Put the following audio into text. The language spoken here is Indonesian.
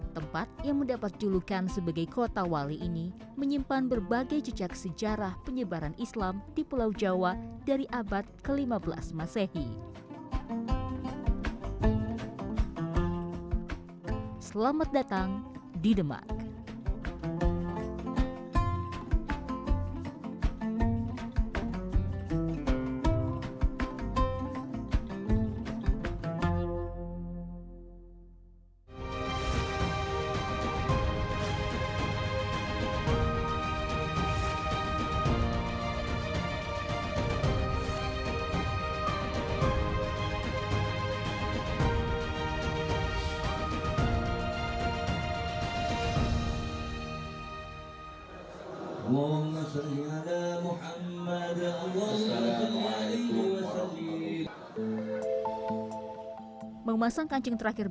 tempat yang mendapat julukan sebagai kota wali ini menyimpan berbagai jejak sejarah penyebaran islam di pulau jawa dari abad ke lima belas masehi